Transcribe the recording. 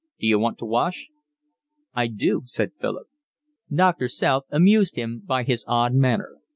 D'you want to wash?" "I do," said Philip. Doctor South amused him by his odd manner.